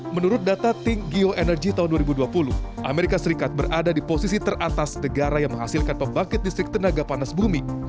menurut data think geo energy tahun dua ribu dua puluh amerika serikat berada di posisi teratas negara yang menghasilkan pembangkit listrik tenaga panas bumi